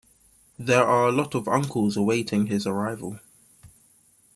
There are a lot of uncles awaiting his arrival.